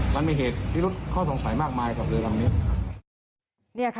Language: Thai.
มันมีเหตุพิรุษข้อสงสัยมากมายกับเรือลำนี้